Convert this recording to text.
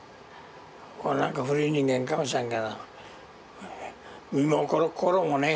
俺なんか古い人間かもしらんけど身も心もね